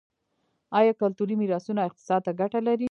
آیا کلتوري میراثونه اقتصاد ته ګټه لري؟